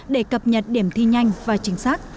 để cập nhật điểm thi nhanh và chính xác